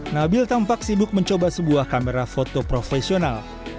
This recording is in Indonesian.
nabil tampak sibuk mencoba sebuah kamera foto profesional